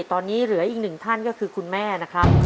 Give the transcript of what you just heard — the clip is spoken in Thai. ตอนนี้เหลืออีกหนึ่งท่านก็คือคุณแม่นะครับ